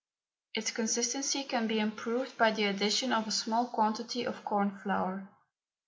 Its consistency can be improved by the addition of a small quantity of corn flour.